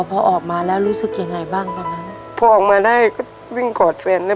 พอออกมาแล้วรู้สึกยังไงบ้างตอนนั้นพอออกมาได้ก็วิ่งกอดแฟนได้